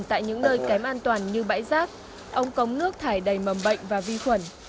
tại những nơi kém an toàn như bãi rác ống cống nước thải đầy mầm bệnh và vi khuẩn